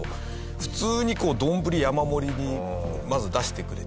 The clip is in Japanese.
普通にこうどんぶり山盛りにまず出してくれて。